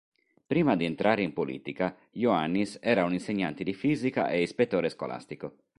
Prima di entrare in politica Iohannis era un insegnante di fisica e ispettore scolastico.